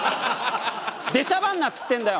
出しゃばんなっつってんだよ！